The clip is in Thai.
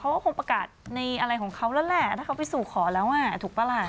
เขาก็คงประกาศในอะไรของเขาแล้วแหละถ้าเขาไปสู่ขอแล้วอ่ะถูกปะล่ะ